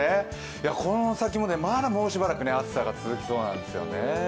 この先もまだもうしばらく暑さが続きそうなんですよね。